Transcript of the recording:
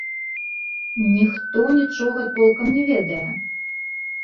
Ніхто нічога толкам не ведае.